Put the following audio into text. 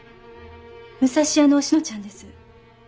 武蔵屋のおしのちゃんです。